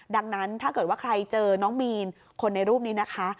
ดังนั้นถ้าเกิดว่าใครเจอน้องมีนคนในรูปนี้นะคะ